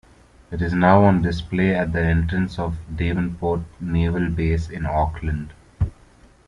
It is now on display at the entrance of Devonport Naval Base in Auckland.